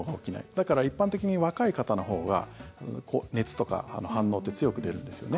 だから、一般的に若い方のほうが熱とか反応って強く出るんですよね。